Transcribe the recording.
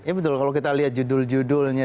ya betul kalau kita lihat judul judulnya